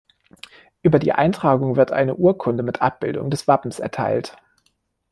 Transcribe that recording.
Über die Eintragung wird eine Urkunde mit Abbildung des Wappens erteilt.